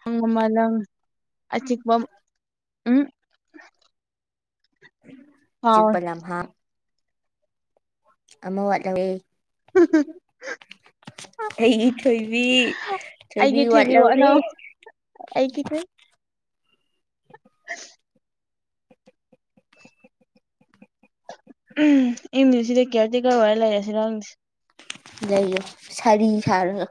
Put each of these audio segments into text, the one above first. ꯍꯨꯝ ꯑꯃ ꯅꯪ ꯑꯆꯤꯛꯄꯃ ꯎꯝ ꯐꯥꯎꯔꯦ ꯆꯤꯛꯄ ꯂꯝꯍꯥꯡ ꯑꯃꯥ ꯋꯥꯠꯂꯧꯋꯦ ꯑꯩꯒꯤ ꯊꯣꯏꯕꯤ ꯊꯣꯏꯕꯤ ꯑꯩꯒꯤ ꯊꯤꯕꯤꯌꯣ ꯋꯥꯠꯂꯧꯔ‌ꯦ ꯑꯅꯧꯕ ꯑꯩꯒꯤ ꯊꯤ ꯑꯝ ꯏꯪꯅ ꯁꯤꯗ ꯀꯦꯌꯥꯔ ꯇꯦꯀꯔ ꯑꯣꯏꯔ ꯂꯩꯔꯁꯤꯔ ꯈꯡꯗꯦ ꯂꯩꯌꯣ ꯁꯥꯔꯤ ꯁꯥꯔꯒꯥ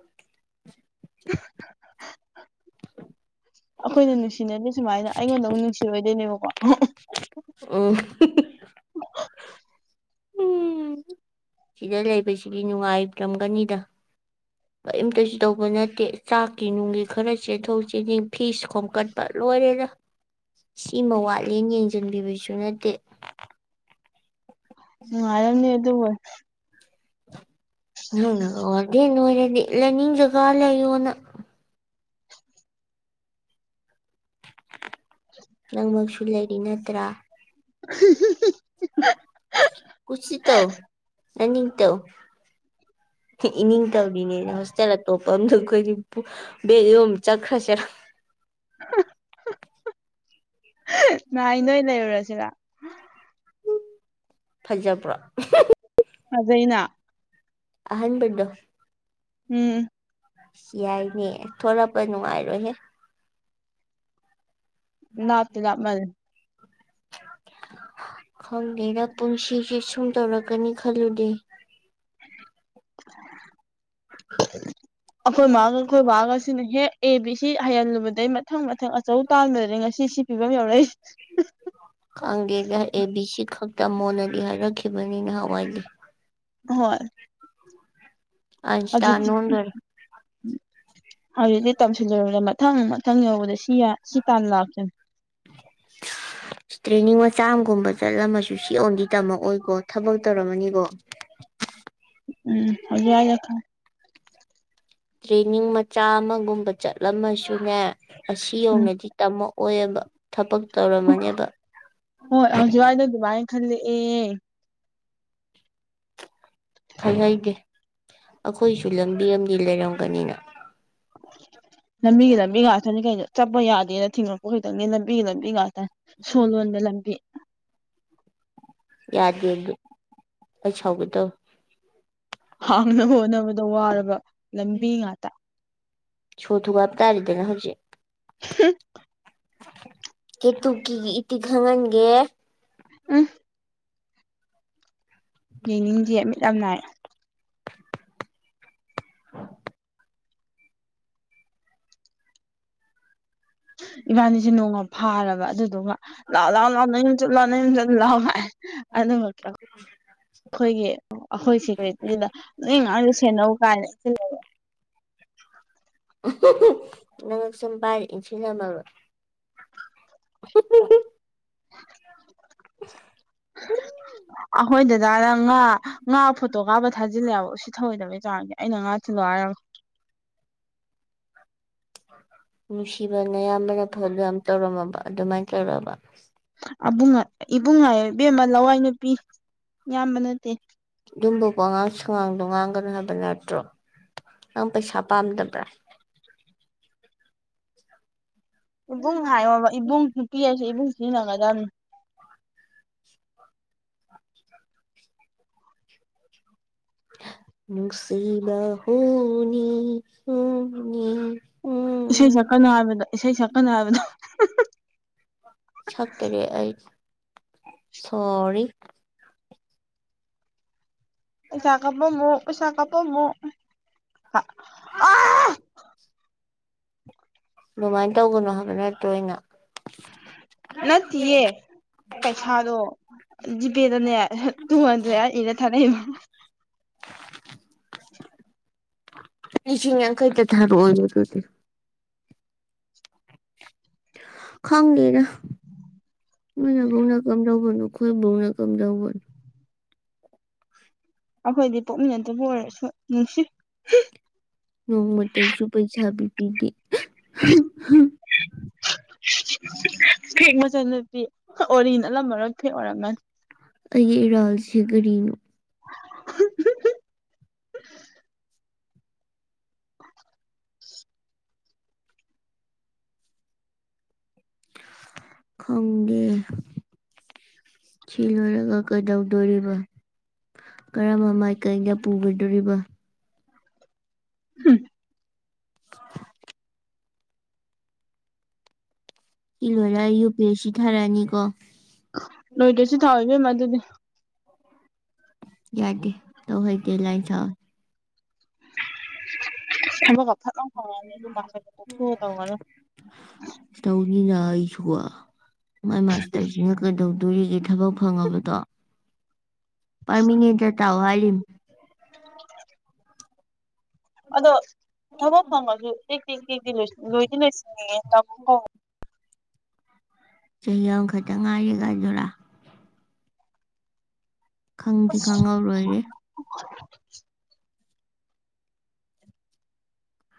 ꯑꯩꯈꯣꯏꯅ ꯅꯨꯡꯁꯤꯅꯗꯦ ꯁꯨꯃꯥꯏꯅ ꯑꯩꯉꯣꯟꯗꯥ ꯑꯃꯨꯛ ꯅꯨꯡꯁꯤꯔꯣꯏꯗꯣꯏꯅꯦꯕꯀꯣ ꯑꯣ ꯎꯝ ꯁꯤꯗ ꯂꯩꯕꯁꯤꯗꯤ ꯅꯨꯡꯉꯥꯏꯔꯝꯒꯥꯅꯤꯗꯥ ꯀꯔꯤꯝꯇꯁꯨ ꯇꯧꯕ ꯅꯠꯇꯦ ꯆꯥꯛꯀꯤ ꯅꯨꯡꯒꯤ ꯈꯔ ꯆꯦꯟꯊꯧ ꯆꯦꯁꯤꯟ ꯐꯤꯁ ꯈꯣꯝꯀꯠ ꯂꯣꯏꯔꯦꯗꯥ ꯁꯤꯃ ꯋꯥꯠꯂꯦꯅ ꯌꯦꯡꯁꯤꯟꯕꯤꯕꯁꯨ ꯅꯠꯇꯦ ꯅꯨꯡꯉꯥꯏꯔꯝꯅꯤ ꯑꯗꯨ ꯍꯣꯏ ꯅꯪꯅꯒꯥ ꯋꯥꯔꯗꯦꯟ ꯑꯣꯏꯔꯗꯤ ꯂꯩꯅꯤꯡ ꯖꯥꯒꯥ ꯂꯩꯌꯣꯅ ꯅꯪꯃꯛꯁꯨ ꯂꯩꯔꯤ ꯅꯠꯇ꯭ꯔꯥ [unintelligible] ꯀꯨꯁꯤ ꯇꯧ ꯅꯅꯤꯡ ꯇꯧ ꯏꯅꯤꯡ ꯇꯩꯔꯤꯅꯦ ꯍ‌ꯣꯁꯇ‌ꯦꯜ ꯑꯇꯣꯞ [unintelligible] ꯕꯦꯛ ꯌꯣꯝ ꯆꯠꯈ꯭ꯔꯥꯁꯦꯔ ꯅꯥꯏ ꯅꯣꯏ ꯂꯩꯔꯨꯔꯖꯤꯔ ꯐꯖꯕ꯭ꯔꯣ ꯐꯖꯩꯩꯅ ꯑꯍꯟꯕꯗ‌ꯣ ꯎꯝ ꯌꯥꯏꯅꯦ ꯊꯣꯂꯛꯄ ꯅꯨꯡꯉꯥꯏꯔꯣꯏꯍꯦ ꯂꯥꯞꯇꯤ ꯂꯥꯞꯃꯜꯂꯦ ꯈꯪꯗꯦꯗ ꯄꯨꯟꯁꯤꯁꯦ ꯁꯨꯝ ꯇꯧꯔꯛꯀꯅꯤ ꯈꯜꯂꯨꯗꯦ ꯑꯩꯈꯣꯏ ꯃꯥꯒ ꯑꯩꯈꯣꯏ ꯕꯥꯒ ꯁꯤꯅ ꯌꯦꯛ__ ꯑꯦ ꯕꯤ ꯁꯤ ꯍꯩꯍꯜꯂꯨꯕꯗꯩ ꯃꯊꯪ ꯃꯊꯪ ꯑꯆꯧ ꯇꯥꯟꯕꯗꯗꯤ ꯉꯁꯤ ꯁꯤ ꯄꯤꯕꯝ ꯌꯧꯔꯛꯏꯁꯦ__ [unintelligible] ꯈꯪꯒꯦꯗ ꯑꯦ ꯕꯤ ꯁꯤ ꯈꯛ ꯇꯝꯃꯣꯅꯗꯤ ꯍꯥꯏꯔꯛꯈꯤꯕꯅꯤ ꯅꯍꯥꯟꯋꯥꯏꯗꯤ ꯍꯣꯏ ꯑꯥꯏꯟꯁꯇꯥꯏꯟ ꯑꯗꯨꯇꯤ__ ꯑꯣꯟꯗꯣꯔꯦ [unintelligible] ꯍꯧꯖꯤꯛꯇꯤ ꯇꯝꯁꯤꯜꯂꯨꯔꯗ ꯃꯊꯪ ꯃꯊꯪ ꯌꯧꯕꯗ ꯁꯤ ꯁꯤ ꯇꯥꯟ ꯂꯥꯛꯄꯅꯦ [unintelligible] ꯇ꯭ꯔꯦꯅꯤꯡ ꯃꯆꯥ ꯑꯝꯒꯨꯝꯕ ꯆꯠꯂꯝꯃꯁꯨ ꯁꯤ ꯌꯧꯅꯗꯤ ꯇꯝꯃꯛꯑꯣꯏꯀꯣ ꯊꯕꯛ ꯇꯧꯔꯝꯃꯅꯤꯀꯣ ꯎꯝ ꯍꯧꯖꯤꯛ ꯋꯥꯏꯗ ꯈꯪꯉꯦ ꯇ꯭ꯔꯦꯅꯤꯡ ꯃꯆꯥ ꯑꯃꯒꯨꯝꯕ ꯆꯠꯂꯝꯃꯁꯨꯅꯦ ꯑꯁꯤ ꯎꯝ ꯌꯧꯅꯗꯤ ꯇꯝꯃꯛ ꯑꯣꯏꯌꯦꯕ ꯊꯕꯛ ꯇꯧꯔꯝꯃꯅꯦꯕ ꯍꯣꯏ ꯍꯧꯖꯤꯛꯋꯥꯏꯗ ꯑꯗꯨꯃꯥꯏꯅ ꯈꯜꯂꯛ ꯑꯦ ꯈꯜꯍꯩꯗꯦ ꯑꯩꯈꯣꯏꯁꯨ ꯂꯝꯕꯤ ꯑꯃꯗꯤ ꯂꯩꯔꯝꯒꯅꯤꯅ ꯂꯝꯕꯤꯒꯤ ꯂꯝꯕꯤ ꯉꯥꯛꯇꯅꯤ ꯀꯩꯅꯣ ꯆꯠꯄ ꯌꯥꯗꯦꯅ ꯊꯤꯉꯛꯄ ꯈꯛꯇꯪꯅꯦ ꯂꯝꯕꯤꯒꯤ ꯂꯝꯕꯤ ꯉꯥꯛꯇꯅꯤ ꯁꯣꯂꯣꯟꯕ ꯂꯝꯕꯤ ꯌꯥꯗꯦ ꯑꯗꯨ ꯑꯩ ꯁꯥꯎꯒꯦ ꯇꯧꯋꯦ ꯍꯥꯡꯅꯕ ꯍꯣꯠꯅꯕꯗ ꯋꯥꯔꯕ ꯂꯝꯕꯤ ꯉꯥꯛꯇ ꯁꯣ ꯊꯨꯒꯥꯏꯕ ꯇꯥꯔꯦꯗꯅ ꯍꯧꯖꯤꯛ [unintelligible] ꯀꯦꯇꯨꯀꯤꯒꯤ ꯏꯇꯤꯛ ꯈꯪꯍꯟꯒꯦ ꯎꯝꯍ ꯌꯦꯡꯅꯤꯡꯗꯤꯌꯦ ꯃꯤꯠ ꯌꯥꯝ ꯅꯥꯏꯌꯦ [unintelligible] ꯏꯕꯥꯅꯤꯁꯦ ꯅꯣꯡꯃ ꯐꯥꯔꯕ ꯑꯗꯨꯗꯨꯒ ꯂꯥꯎ ꯂꯥꯎ ꯂꯥꯎꯑꯣ ꯅꯌꯨꯝ ꯆꯠꯂꯨ ꯂꯥꯎ ꯅꯌꯨꯝ ꯆꯠꯂꯨ ꯂꯥꯎ ꯀꯥꯏꯅ ꯑꯗꯨꯒ__ ꯑꯩꯈꯣꯏꯒꯤ ꯑꯩꯈꯣꯏ ꯁꯦꯀ꯭ꯌꯨꯔꯤꯇꯤꯗꯨꯗ ꯅꯣꯏ ꯑꯉꯥꯡꯖꯦ ꯁꯦꯟꯅꯧ ꯀꯥꯟ ꯁꯤꯂꯕ__ [unintelligible] ꯅꯉꯛꯁꯝ ꯄꯥꯏꯔꯒ ꯏꯟꯁꯤꯟꯂꯝꯃꯕ [unintelligible] [unintelligible] ꯑꯩꯈꯣꯏ ꯗꯗꯥꯅ ꯉꯥ ꯉꯥ ꯐꯣꯇꯣ ꯀꯥꯞꯕ ꯊꯥꯖꯤꯜꯂꯦꯕ ꯍꯥꯏꯕ ꯎꯁꯤ__ ꯎꯁꯤꯠ ꯊꯑꯣꯏꯗꯕꯩ ꯆꯥꯡꯁꯦ ꯑꯩꯅ ꯉꯥ ꯊꯤꯜꯂꯛꯑꯣ ꯍꯥꯏꯔꯒꯦ ꯅꯨꯡꯁꯤꯕ ꯑꯌꯥꯝꯕꯅ [unintelligible] ꯌꯥꯝ ꯇꯧꯔꯝꯃꯕ ꯑꯗꯨꯃꯥꯏꯅ ꯇꯧꯔꯛꯑꯕ ꯑꯕꯨꯡꯉ ꯏꯕꯨꯡ ꯍꯥꯏꯌꯣ ꯏꯕꯦꯝꯃ ꯂꯋꯥꯏ ꯅꯨꯨꯄꯤ ꯏꯌꯥꯝꯕ ꯅꯠꯇꯦ ꯑꯗꯨꯨꯝꯕ ꯋꯥꯉꯥꯡ ꯁꯉꯥꯡꯗꯣ ꯉꯥꯡꯒꯅꯤ ꯍꯥꯏꯕ ꯅꯠꯇ꯭ꯔꯣ ꯅꯪ ꯄꯩꯁꯥ ꯄꯥꯝꯗꯕ꯭ꯔꯣ ꯏꯕꯨꯡ ꯍꯥꯏꯌꯣꯕ ꯏꯕꯨꯡ ꯅꯨꯄꯤ ꯍꯥꯏꯁꯦ ꯏꯕꯨꯡ ꯁꯤꯖꯤꯟꯅꯒꯗꯕꯅꯤ ꯅꯨꯡꯁꯤꯕ ꯍꯨꯅꯤ ꯍꯨꯅꯤ ꯏꯁꯩ ꯍꯨꯅꯤ ꯁꯛꯀꯅꯣ ꯍꯥꯏꯕꯗꯣ ꯏꯁꯩ ꯁꯛꯀꯅꯣ ꯍꯥꯏꯕꯗꯣ [unintelligible] ꯁꯛꯇꯔꯦ ꯑꯩ ꯁꯣꯔꯤ ꯄꯩꯁꯥ ꯀꯥꯞꯄꯝꯃꯣ ꯄꯩꯁꯥ ꯀꯥꯞꯄꯝꯃꯣ [unintelligible] ꯑꯗꯨꯃꯥꯏꯟ ꯇꯧꯒꯅꯣ ꯍꯥꯏꯕ ꯅꯠꯇ꯭ꯔꯣꯅ ꯑꯩꯅ ꯅꯠꯇꯤꯌꯦ ꯄꯩꯁꯥꯗꯣ ꯖꯤꯄꯦꯗꯅꯦ ꯇꯨꯍꯟꯗ꯭ꯔꯦꯠꯗ ꯍꯥꯏꯔ ꯏꯔ ꯊꯥꯔꯛꯏꯕ ꯂꯤꯁꯤꯡ ꯌꯥꯡꯈꯩꯇ ꯊꯥꯔꯛ ꯑꯣꯌꯣ ꯑꯗꯨꯗꯤ ꯈꯪꯗꯦꯗ ꯅꯣꯏ ꯑꯗꯨꯅ ꯀꯝꯗꯧꯕꯅꯣ ꯈꯣꯏ ꯕꯣꯛꯅ ꯀꯝꯗꯧꯕꯅꯣ ꯑꯩꯈꯣꯏꯗꯤ ꯄꯣꯛꯃꯤꯟꯅꯗꯕ ꯑꯣꯏꯔꯁꯨ ꯅꯨꯡꯁꯤ [unintelligible] ꯅꯣꯡꯃꯇꯁꯨ ꯄꯩꯁꯥ ꯄꯤꯕꯤꯗꯦ [unintelligible] [unintelligible] ꯐꯦꯛ ꯃꯆꯟ ꯅꯨꯨꯄꯤ ꯑꯣꯔꯤ ꯅꯠꯂꯝꯃꯔꯣꯏ ꯐꯦꯛ ꯑꯣꯏꯔꯝꯃꯅꯤ ꯑꯩꯒꯤ ꯏꯔꯥꯜꯁꯤ ꯀꯔꯤꯅꯣ [unintelligible] [unintelligible] ꯈꯪꯗꯦ ꯆꯤꯂꯔꯒ ꯀꯗꯩꯗꯧꯔꯤꯕ ꯀꯔ ꯃꯥꯏꯀꯩꯒ ꯄꯨꯒꯗꯣꯔꯤꯕꯣ ꯍꯝ ꯏ ꯂꯣꯏꯔ ꯌꯨ ꯄꯤ ꯑꯦꯁ ꯁꯤ ꯊꯥꯔꯛꯑꯅꯤ ꯀꯣ ꯅꯣꯏꯗꯣꯏꯁꯨ ꯊꯥꯎꯕꯦꯝꯃ ꯑꯗꯨꯗꯤ ꯌꯥꯗꯦ ꯇꯧ ꯍꯩꯗꯦ ꯂꯥꯏ ꯁꯥ ꯁ ꯀꯊ ꯇ ꯈꯉ ꯀꯊ ꯇꯔꯣ ꯇꯧꯅꯤꯅ ꯑꯩꯁꯨꯀ ꯃꯥꯏ ꯃꯥꯁꯇꯔꯁꯤꯅ ꯀꯩꯗꯧꯗꯣꯔꯤꯒꯦ ꯊꯕꯛ ꯐꯪꯉꯕꯗꯣ ꯄꯥꯔꯃꯤꯉꯦꯗ ꯇꯥꯛꯑꯣ ꯍꯥꯏꯔꯤ ꯑꯗꯣ ꯊꯕꯛ ꯐꯪꯉꯁꯨ ꯇꯦꯛꯛꯇꯦꯛ ꯇꯦꯛꯇꯤ ꯂꯣꯏꯗꯤ ꯂꯣꯏꯁꯤꯟꯅꯤꯡꯉꯦ ꯇꯥꯃꯣꯣ ꯆꯍꯤ ꯑꯃꯈꯛꯇ ꯉꯥꯏꯔꯦꯒꯗꯨꯔꯥ ꯈꯪꯗꯤ ꯈꯪꯍꯧꯔꯣꯏꯔꯦ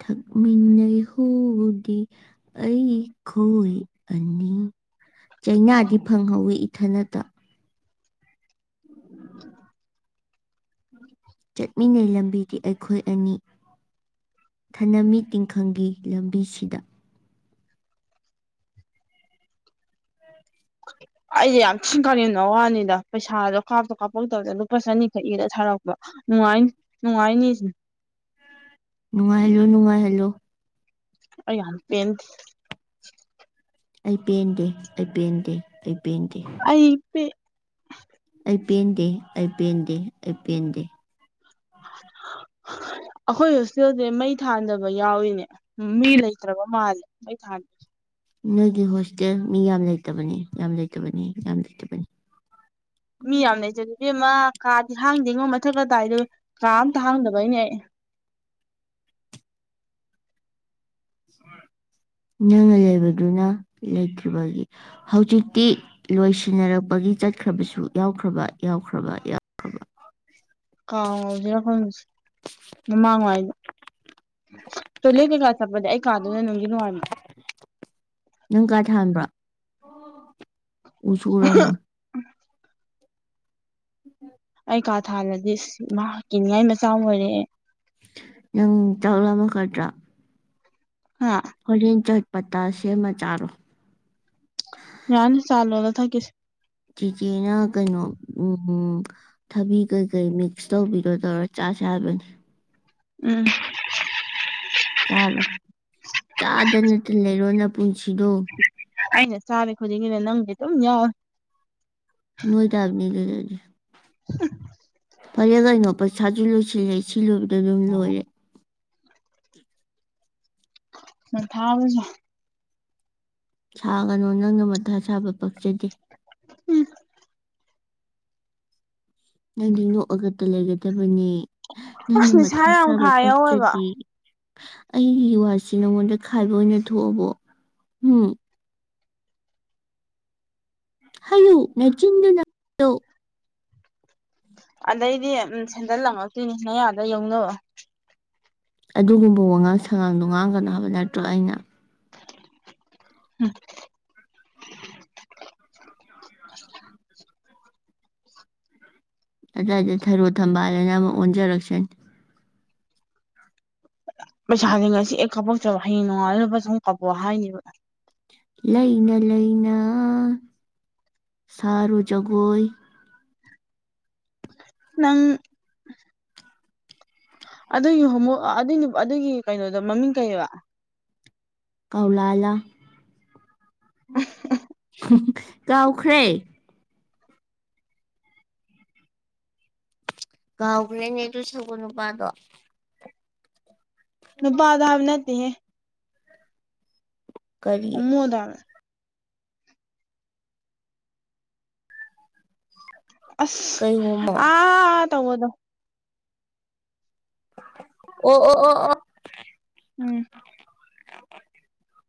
ꯊꯛꯃꯤꯟꯅꯩ ꯍꯨꯎꯗꯤ ꯑꯩ ꯈꯣꯏ ꯑꯅꯤ ꯆꯩꯅꯥꯗꯤ ꯐꯪꯍꯧꯋꯤ ꯏꯊ ꯅꯇ ꯆꯠꯃꯤꯟꯅꯩ ꯂꯝꯕꯤꯗꯤ ꯑꯩꯈꯣꯏ ꯑꯅꯤ ꯊꯅꯃꯤ ꯇꯤꯡꯈꯪꯒꯤ ꯂꯝꯕꯤꯁꯤꯗ ꯑꯩꯗꯤꯦ ꯌꯥꯝ ꯊꯤꯅ ꯀꯥꯉꯅꯣ ꯋꯥꯅꯤꯗ ꯄꯩꯁꯥꯗꯣ ꯀꯥꯞꯇꯣ ꯀꯥꯞꯄꯧꯗꯕꯗ ꯂꯨꯄꯥ ꯆꯅꯤꯈꯛꯗ ꯁꯥꯔꯛꯄ ꯅꯨꯡꯉꯥꯏ ꯅꯨꯡꯉꯥꯏꯅꯤ ꯁꯤꯅꯤ ꯅꯅꯨꯡꯉ ꯍꯜꯂꯣ ꯅꯅꯨꯡꯉ ꯍꯜꯂꯣ ꯑ ꯌꯥꯝ ꯄꯦꯟꯗꯦ ꯑꯩ ꯄꯦꯟꯗꯦ ꯑꯩ ꯄꯦꯟꯗꯦ ꯑꯩ ꯄꯦꯟꯗꯦ ꯑꯩ ꯄ ꯑꯩ ꯄꯦꯟꯗꯦ ꯑꯩ ꯄꯦꯟꯗꯦ ꯑꯩ ꯄꯦꯟꯗꯦ ꯑꯩꯈꯣꯏ ꯍꯣꯁꯇꯦꯜꯁꯦ ꯃꯩ ꯊꯥꯟꯗꯕ ꯌꯥꯎꯏꯅꯦ ꯃꯤ ꯂꯩ ꯇꯥꯕ ꯃꯥꯜꯦ ꯊꯥꯦ ꯅꯣꯏꯒꯤ ꯍꯣꯁꯇꯦꯜ ꯃꯤ ꯌꯥꯝ ꯂꯩꯇꯕꯅꯤ ꯌꯥꯝ ꯂꯩꯇꯕꯅꯤ ꯌꯥꯝ ꯂꯩꯇꯕꯅꯤ ꯃꯤ ꯌꯥꯝ ꯂꯩꯇꯗ ꯏꯃ ꯀꯥꯗꯤ ꯍꯥꯡꯗꯦꯉꯣ ꯃꯊꯛꯀ ꯇꯥꯏꯗ ꯀꯥ ꯑꯝꯇ ꯍꯥꯡꯗꯕꯩꯅꯦ ꯑꯩ ꯅꯪꯅ ꯌꯕꯗꯨꯅ ꯂꯩꯇꯔꯤꯕꯒꯤ ꯍꯧꯖꯤꯛꯇꯤ ꯂꯣꯏꯁꯤꯟꯅꯔꯛꯄꯒꯤ ꯆꯠꯈ꯭ꯔꯕꯁꯨ ꯌꯥꯎꯈ꯭ꯔꯕ ꯌꯥꯎꯈ꯭ꯔꯕ ꯌꯥꯎ ꯀꯥꯡꯉꯧꯁꯤꯔꯈꯣꯏ ꯃꯃꯥꯡꯉꯏꯗ ꯆꯂꯦ ꯀꯩꯀꯥ ꯆꯠꯄꯗ ꯑꯩ ꯀꯥꯗꯅ ꯅꯪꯒꯤ ꯅꯨꯡꯉꯥꯏꯕ ꯅꯪ ꯀꯥ ꯊꯥꯟꯕ꯭ꯔ ꯎꯁꯨ ꯎꯔꯝꯃꯣ ꯎꯝ ꯑꯩ ꯀꯥ ꯊꯥꯜꯂꯗꯤ ꯃꯍꯥꯛꯀꯤ ꯀꯤꯅꯤꯡꯉꯥꯏ ꯃꯆꯥ ꯑꯣꯏꯔꯦꯑꯦ ꯅꯪ ꯆꯥꯛꯂꯝꯃꯒꯗ꯭ꯔꯥ ꯍꯥ ꯍꯣꯔꯦꯟ ꯆꯠ ꯄꯇꯥ ꯁꯦꯝꯃ ꯆꯥꯔꯣ ꯌꯥꯅꯤ ꯆꯥ ꯂꯣꯜꯂ ꯊꯛꯀꯦꯁꯦ ꯆꯤꯆꯦꯅ ꯀꯩꯅꯣ ꯎꯝ ꯊꯕꯤ ꯀꯩ ꯀꯩ ꯃꯤꯛꯁ ꯇꯧꯕꯤꯔꯣꯗꯧꯔ ꯆꯥꯁꯦ ꯍꯥꯏꯕꯅꯤ ꯎꯝ ꯆꯥꯔꯣ ꯆꯥꯗ ꯅꯠꯇꯅ ꯂꯩꯔꯣ ꯅ ꯄꯨꯟꯁꯤꯗꯣ ꯑꯩꯅ ꯆꯥꯔꯦ ꯈꯨꯗꯤꯡꯒꯤꯅ ꯅꯪꯗꯤꯦ ꯑꯗꯨꯝ ꯌꯥꯎꯋꯦ ꯃꯣꯏ ꯇꯥꯕꯅꯤ ꯂꯩꯗꯗꯤ ꯎꯝ ꯐꯔꯦ ꯀꯩꯅꯣ ꯄꯩꯁꯥꯁꯨ ꯂꯣꯏꯁꯤꯜꯂꯦ ꯁꯤ ꯂꯣꯏꯕꯗ ꯑꯗꯨꯝ ꯂꯣꯏꯔꯦ ꯃꯊꯥꯕꯨ ꯁꯥꯏ ꯁꯥꯒꯅꯨ ꯅꯪꯅ ꯃꯊꯥ ꯁꯥꯕ ꯄꯛꯆꯗꯦ ꯎꯝ ꯅꯪꯗꯤ ꯅꯣꯛꯑꯒꯛꯇ ꯂꯩꯒꯗꯕꯅꯦ ꯅꯪꯅ ꯑꯁ ꯅꯤꯁꯥ ꯃꯊꯥ ꯌꯥꯝ ꯁꯥꯥꯕ ꯈꯥ ꯌꯥꯎꯋꯦꯕ ꯄꯣꯛꯆꯕꯤ ꯑꯩꯒꯤ ꯋꯥꯁꯤ ꯅꯉꯣꯟꯗ ꯈꯥꯏꯕ ꯑꯣꯏꯅ ꯊꯣꯛꯑꯕꯣ ꯎꯝ ꯍꯜꯂꯨ ꯅꯆꯤꯟꯗꯨꯅ ꯑꯗꯩꯗꯤ ꯁꯦꯟꯗꯜ ꯂꯪꯉꯛꯇꯣꯏꯅꯤ ꯅꯌꯥꯗ ꯌꯧꯅꯣ ꯑꯗꯨꯒꯨꯝꯕ ꯋꯥꯉꯥꯡ ꯁꯉꯥꯡꯗꯣ ꯉꯥꯡꯒꯅꯣ ꯍꯥꯏꯕ ꯅꯠꯇ꯭ꯔꯣ ꯑꯩꯅ ꯎꯝ ꯀꯁ ꯑꯗꯨꯏꯗ ꯊꯔꯣ ꯊꯝꯕꯥꯜꯗꯅ ꯑꯃꯨꯛ ꯑꯣꯟꯖꯔꯛꯁꯅꯤ ꯄꯩꯁꯥꯥꯁꯦ ꯉꯁꯤ ꯑꯦ ꯀꯥꯄꯣꯛꯆꯕ ꯍꯌꯦꯡ ꯅꯣꯡꯉꯥꯂ ꯂ ꯄ ꯆꯪ ꯀꯥꯄ ꯍꯥꯏꯅꯦꯕ ꯂꯩꯅ ꯂꯩꯅ ꯁꯥꯔꯨ ꯖꯒꯣꯏ ꯅꯪ ꯑꯗꯨꯒꯤ ꯍꯣꯡꯃ ꯑꯗꯨꯏꯅꯤ ꯑꯗꯨꯒꯤ ꯀꯩꯅꯣꯗꯣ ꯃꯃꯤꯡ ꯀꯩꯕ ꯀꯧꯂꯥꯂꯥ ꯀꯥꯎꯈ꯭ꯔꯦ ꯀꯥꯎꯈ꯭ꯔꯦꯅꯦ ꯑꯗꯨ ꯁꯒꯣꯜ ꯅꯨꯄꯥꯗꯣ ꯅꯄꯥꯕꯥꯗꯥꯕꯅꯗꯤꯦ ꯀꯔꯤ ꯑꯣꯃꯗꯥꯡ ꯑꯁ ꯀꯩ ꯍꯣꯃꯣ ꯑ ꯇꯉꯗꯣ ꯑꯣ ꯑꯣ ꯑꯣ ꯑꯣ ꯎꯝ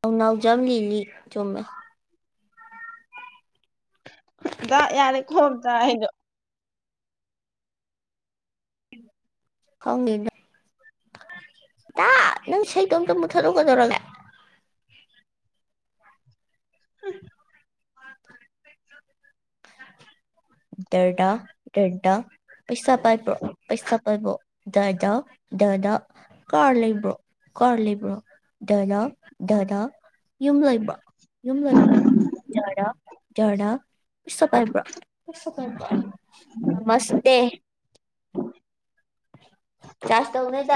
ꯊꯧꯅꯥꯎꯖꯝ ꯂꯤꯂꯤ ꯆꯨꯝꯃꯦ ꯗ ꯌꯥꯔꯛ ꯍꯣꯗ ꯍꯥꯏꯣ ꯀꯉꯅ ꯇ ꯅꯪ ꯁꯇꯝꯇ ꯃꯨꯊꯗꯒꯗꯧꯔꯒ [inaudible] ꯗꯦꯔꯗꯥ ꯗꯔꯗꯥ ꯄꯩꯁꯥ ꯄꯥꯏꯕ꯭ꯔꯣ ꯄꯩꯁꯥ ꯄꯥꯏꯕ ꯗꯗꯥ ꯗꯗꯥ ꯀꯔ ꯂꯩꯕ꯭ꯔꯣ ꯀꯔ ꯂꯩꯕ꯭ꯔꯣ ꯗꯙꯗꯥ ꯗꯗꯥ ꯌꯨꯝ ꯂꯩꯕ ꯌꯨꯝ ꯂꯩꯕ ꯗꯔ ꯕ꯭ꯔꯣꯁꯦ ꯎ ꯆꯥꯔꯖ ꯇꯧꯅꯤꯗ